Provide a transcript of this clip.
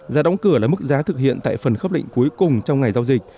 giá đóng cửa là mức giá thực hiện tại phần khớp lệnh cuối cùng trong ngày giao dịch